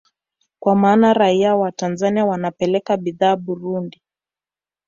Kwa maana raia wa Tanzania wanapeleka bidhaa Burundi